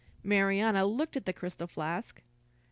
Marianna looked at the crystal flask.